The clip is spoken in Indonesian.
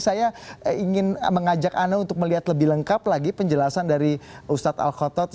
saya ingin mengajak anda untuk melihat lebih lengkap lagi penjelasan dari ustadz al khotot